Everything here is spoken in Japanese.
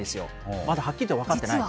まだはっきりと分かっていない。